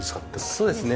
そうですね。